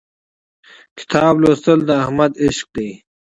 کتاب لوستل د احمد عشق دی.